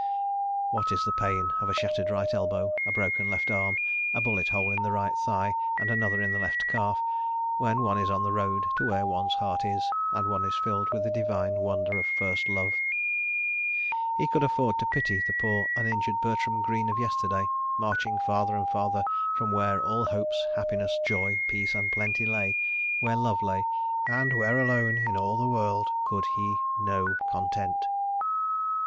What is the pain of a shattered right elbow, a broken left arm, a bullet hole in the right thigh and another in the left calf, when one is on the road to where one's heart is, and one is filled with the divine wonder of first love? He could afford to pity the poor uninjured Bertram Greene of yesterday, marching farther and farther from where all hope, happiness, joy, peace and plenty lay, where love lay, and where alone in all the world could he know content.